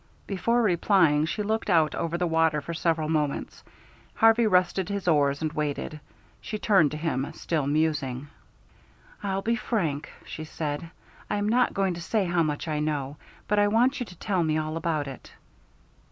Before replying she looked out over the water for several moments. Harvey rested his oars and waited. She turned to him, still musing. "I'll be frank," she said. "I am not going to say how much I know, but I want you to tell me all about it."